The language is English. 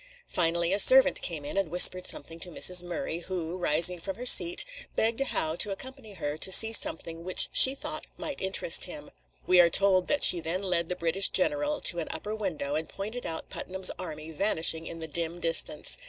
Finally a servant came in and whispered something to Mrs. Murray, who, rising from her seat, begged Howe to accompany her to see something which she thought might interest him. [Illustration: Hale statue] We are told that she then led the British general to an upper window, and pointed out Putnam's army vanishing in the dim distance.